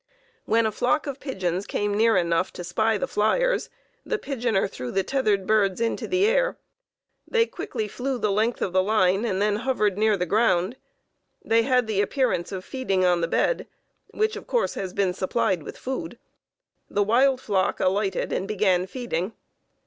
When a flock of pigeons came near enough to spy the fliers, the pigeoner threw the tethered birds into the air. They quickly flew the length of the line and then hovered near the ground. They had the appearance of feeding on the bed, which, of course, has been supplied with food. The wild flock alighted and began feeding.